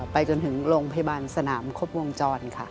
ไปจนถึงโรงพยาบาลสนามครบวงจรค่ะ